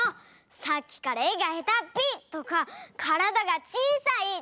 さっきから「えがへたっぴ」とか「からだがちいさい」とか。